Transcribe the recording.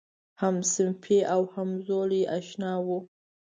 همصنفي او همزولی آشنا و.